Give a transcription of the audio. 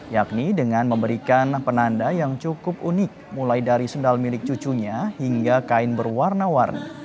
yakni dengan memberikan penanda yang cukup unik mulai dari sendal milik cucunya hingga kain berwarna warni